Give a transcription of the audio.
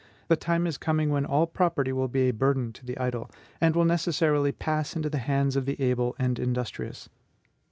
The time is coming when all property will be a burden to the idle, and will necessarily pass into the hands of the able and industrious.